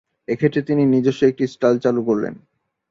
এক্ষেত্রে তিনি নিজস্ব একটি স্টাইল চালু করলেন।